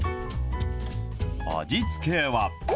味付けは。